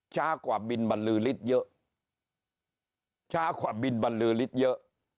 ช้ากว่าบินบรรลือฤทธิ์เยอะช้ากว่าบินบรรลือฤทธิ์เยอะ